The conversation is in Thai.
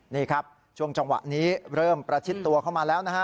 นี่ครับช่วงจังหวะนี้เริ่มประชิดตัวเข้ามาแล้วนะฮะ